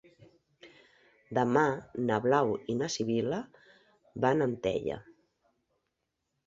Demà na Blau i na Sibil·la van a Antella.